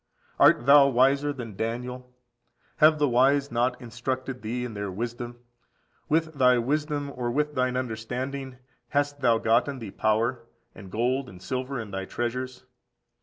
Art thou wiser than Daniel? Have the wise not instructed thee in their wisdom? With thy wisdom or with thine understanding hast thou gotten thee power, and gold and silver in thy treasures?